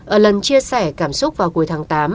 ở lần chia sẻ cảm xúc vào cuối tháng tám